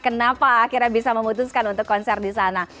kenapa akhirnya bisa memutuskan untuk konser di sana